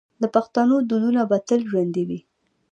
د پښتنو دودونه به تل ژوندي وي.